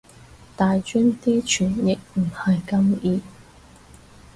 大專啲傳譯唔係咁易